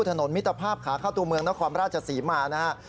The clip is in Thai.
ถนนมิตภาพขาข้าวตัวเมืองนครราชศรีมานะฮะ